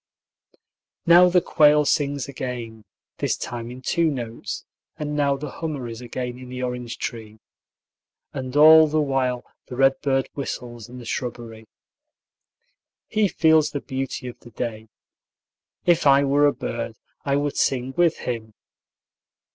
Now the quail sings again, this time in two notes, and now the hummer is again in the orange tree. And all the while the redbird whistles in the shrubbery. He feels the beauty of the day. If I were a bird, I would sing with him.